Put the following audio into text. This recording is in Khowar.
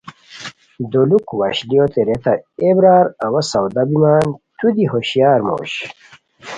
دولوک وشلیوت ریتائے اے برار اوا سودا بیمان تو دی ہوشیار موش